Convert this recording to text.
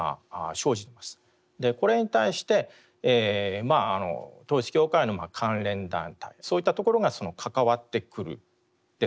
これに対して統一教会の関連団体そういったところが関わってくるんですね。